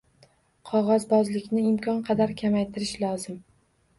Qogʻozbozlikni imkon qadar kamaytirish lozim